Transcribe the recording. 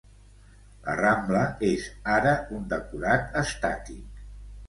La Rambla és ara un decorat estàtic.